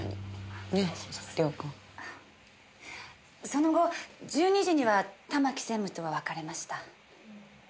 その後１２時には玉木専務とは別れました。